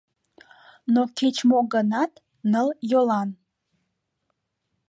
Но кеч-мо гынат, ныл йолан.